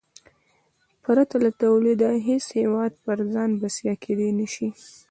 پرته له تولیده هېڅ هېواد پر ځان بسیا کېدای نه شي.